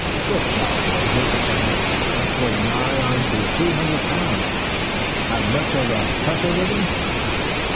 "Good job, boys. It's a dandy. Must weigh nigh onto three hundred pounds. Have much of a tussle with him?"